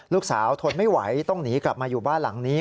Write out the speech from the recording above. ลูกสาวทนไม่ไหวต้องหนีกลับมาอยู่บ้านหลังนี้